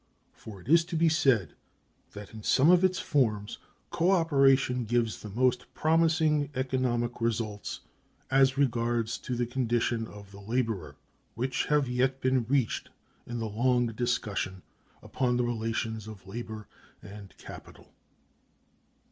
For it is to be said that in some of its forms co operation gives the most promising economic results as regards the condition of the laborer which have yet been reached in the long discussion upon the relations of labor and capital.